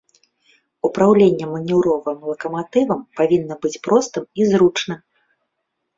Упраўленне манеўровым лакаматывам павінна быць простым і зручным.